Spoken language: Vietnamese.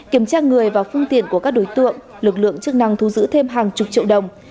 kiểm tra người và phương tiện của các đối tượng lực lượng chức năng thu giữ thêm hàng chục triệu đồng